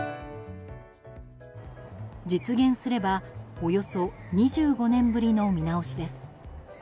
実現すればおよそ２５年ぶりの見直しです。